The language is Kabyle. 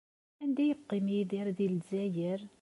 Anda ay yeqqim Yidir deg Lezzayer?